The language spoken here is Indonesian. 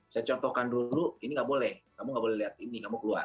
saya contohkan dulu ini nggak boleh kamu nggak boleh lihat ini kamu keluar